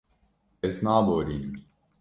Ez naborînim.